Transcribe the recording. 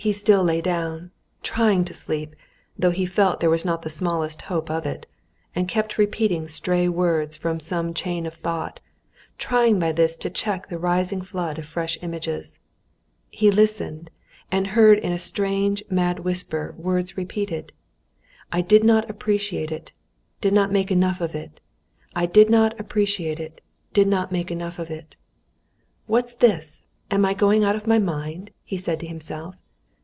He still lay down, trying to sleep, though he felt there was not the smallest hope of it, and kept repeating stray words from some chain of thought, trying by this to check the rising flood of fresh images. He listened, and heard in a strange, mad whisper words repeated: "I did not appreciate it, did not make enough of it. I did not appreciate it, did not make enough of it." "What's this? Am I going out of my mind?" he said to himself.